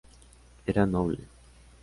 Era noble.